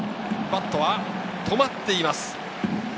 バットは止まっています。